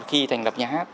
khi thành lập nhà hát